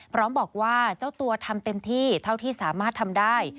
พร้อมบอกว่าเจ้าตัวทำเต็มที่เท่าที่สามารถทำได้